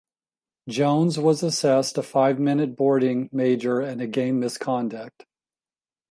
Jones was assessed a five-minute boarding major and a game misconduct.